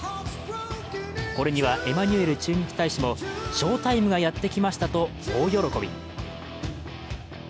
これにはエマニュエル駐日大使も翔タイムがやってきましたと、大喜び。